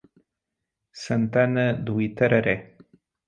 Santana do Itararé